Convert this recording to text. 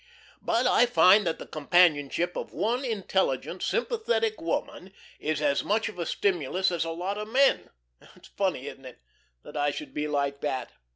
"But I find that the companionship of one intelligent, sympathetic woman is as much of a stimulus as a lot of men. It's funny, isn't it, that I should be like that?"